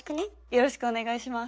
よろしくお願いします。